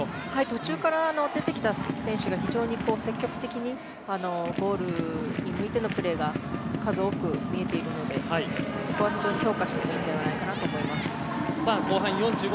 途中から出てきた選手が非常に積極的にゴールを向いてのプレーが数多く見られているのでそこは評価してもいいんじゃないかと思います。